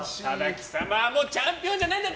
貴様はもうチャンピオンじゃないんだ！